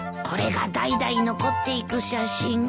これが代々残っていく写真。